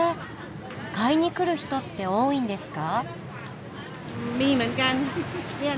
買いに来る人って多いんですか？